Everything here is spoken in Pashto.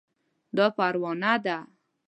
دا پروانه ده